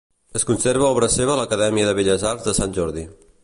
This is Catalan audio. Es conserva obra seva a l'Acadèmia de Belles Arts de Sant Jordi.